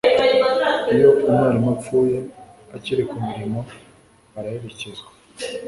iyo umwarimu apfuye akiri ku mirimo araherekezwa